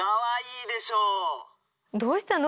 どうしたの？